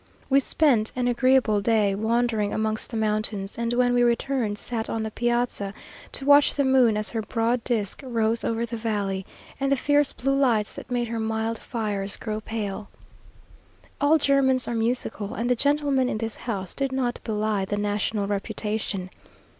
We spent an agreeable day, wandering amongst the mountains; and when we returned sat on the piazza, to watch the moon as her broad disk rose over the valley, and the fierce blue lights that made her mild fires grow pale. All Germans are musical, and the gentlemen in this house did not belie the national reputation.